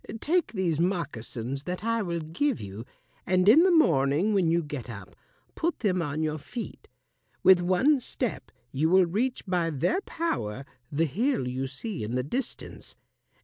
Take these moccasins that I will give you, and in the morning when you get up put them on your feet. With one step you will reach by their power the hill you see in the distance.